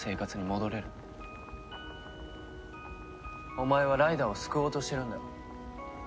お前はライダーを救おうとしてるんだろ？